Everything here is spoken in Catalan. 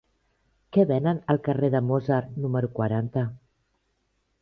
Què venen al carrer de Mozart número quaranta?